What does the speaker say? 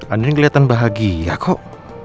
andirin keliatan bahagia kok